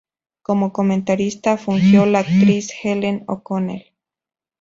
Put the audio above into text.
Como comentarista, fungió la actriz Helen O'Connell.